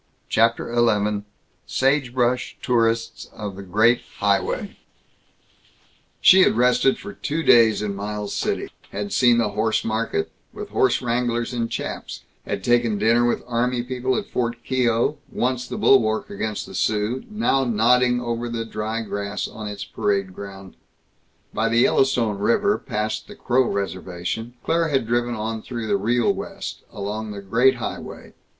CHAPTER XI SAGEBRUSH TOURISTS OF THE GREAT HIGHWAY She had rested for two days in Miles City; had seen the horse market, with horse wranglers in chaps; had taken dinner with army people at Fort Keogh, once the bulwark against the Sioux, now nodding over the dry grass on its parade ground. By the Yellowstone River, past the Crow reservation, Claire had driven on through the Real West, along the Great Highway.